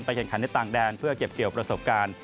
แข่งขันในต่างแดนเพื่อเก็บเกี่ยวประสบการณ์